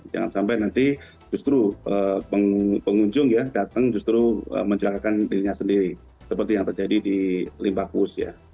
jangan sampai nanti justru pengunjung datang justru menjelakkan dirinya sendiri seperti yang terjadi di limba kus